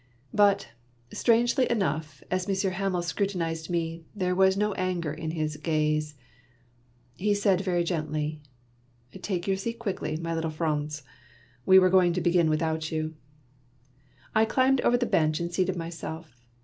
But, strangely enough, as Monsieur Hamel scru The Last Lesson, 3 tinized me, there was no anger in his gaze, ^i^ "^ard" very g entljr, —" Take your seat quickly, my little Franz. We were going to begin without you." I climbed over the bench, and seated myself.